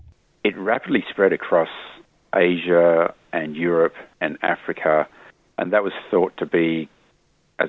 jadi itu berkembang dengan sangat cepat